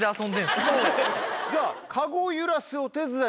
じゃあ。